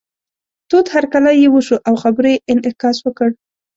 تود هرکلی یې وشو او خبرو یې انعکاس وکړ.